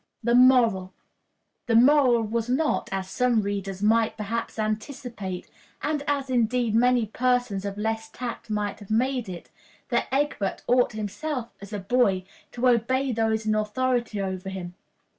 The Moral. This moral was not, as some readers might perhaps anticipate, and as, indeed, many persons of less tact might have made it, that Egbert ought himself, as a boy, to obey those in authority over him.